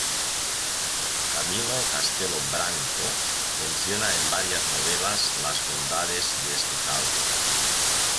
Camilo Castelo Branco menciona en varias novelas las bondades de este caldo.